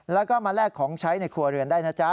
แล้วก็มาแลกของใช้ในครัวเรือนได้นะจ๊ะ